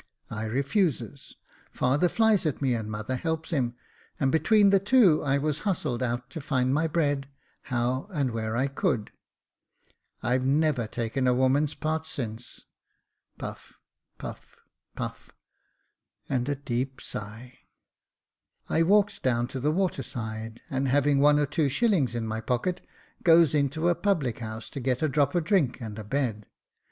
I refuses : father flies at me, and mother helps him ; and between the two I was hustled out to find my bread how and where I could. I've never taken a woman's part since. [Puff, puff, puff, and a deep sigh.] I walks down to the water side, and having one or two shillings in my pocket, goes into a public house to get a drop of drink and a bed.